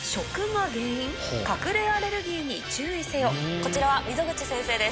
こちらは溝口先生です。